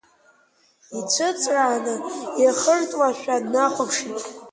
Ицәыҵрааны ихыртлашәа днахәаԥшит.